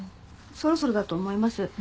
そろそろだと思います。